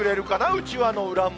うちわの裏も。